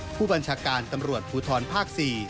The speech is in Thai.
ผู้บัญชาการตำรวจภูทรภาค๔